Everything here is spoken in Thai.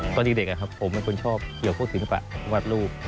ตอนเด็กผมเป็นคนชอบเกี่ยวพวกศิลปะวาดรูป